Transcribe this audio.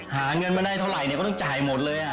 หาเงินมาได้เท่าไหร่ก็ต้องจ่ายหมดเลย